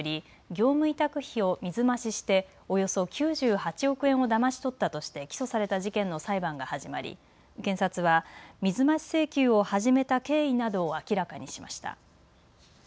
業務委託費を水増ししておよそ９８億円をだまし取ったとして起訴された事件の裁判が始まり検察は水増し請求を始めた経緯などを明らかにしました。